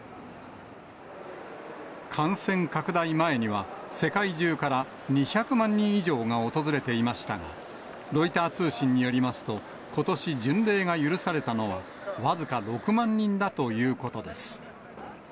感染拡大前には、世界中から２００万人以上が訪れていましたが、ロイター通信によりますと、ことし巡礼が許されたのは、僅か６万人だということです。